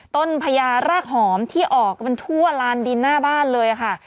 พญารากหอมที่ออกมันทั่วลานดินหน้าบ้านเลยค่ะ